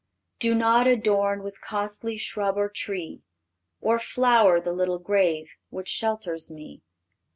"Do not adorn with costly shrub or tree Or flower the little grave which shelters me.